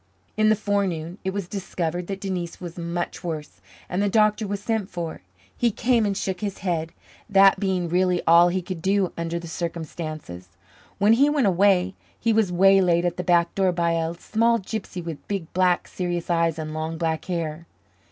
In the forenoon it was discovered that Denise was much worse, and the doctor was sent for. He came, and shook his head, that being really all he could do under the circumstances. When he went away, he was waylaid at the back door by a small gypsy with big, black, serious eyes and long black hair.